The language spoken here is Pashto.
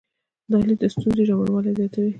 دا لید د ستونزې ژوروالي زیاتوي.